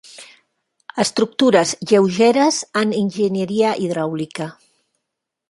Estructures lleugeres en enginyeria hidràulica.